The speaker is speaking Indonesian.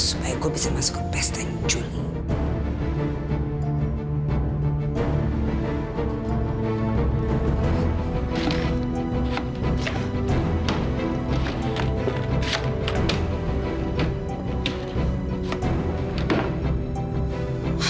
supaya gue bisa masuk ke pes tanjung